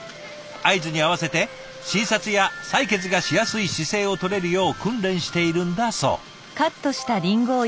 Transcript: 合図に合わせて診察や採血がしやすい姿勢をとれるよう訓練しているんだそう。